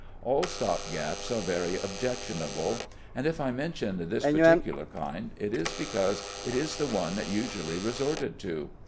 All stop gaps are very objectionable; and if I mention this particular kind, it is because it is the one usually resorted to.